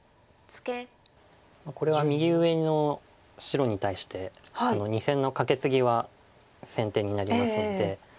これは右上の白に対して２線のカケツギは先手になりますので。